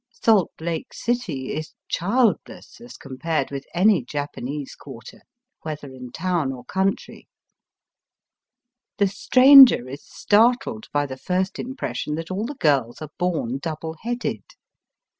Salt Lake City is childless as compared with any Japanese quarter, whether in town or country. The stranger is startled by the first impression that all the girls are bom double headed.